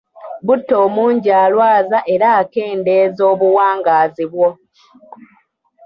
Buto omungi alwaza era akendeeza obuwangaazi bwo.